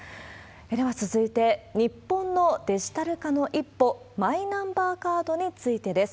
では続いて、日本のデジタル化の一歩、マイナンバーカードについてです。